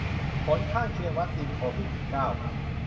ผลข้างเคียงวัคซีนโควิดสิบเก้า